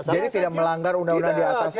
jadi tidak melanggar undang undang di atas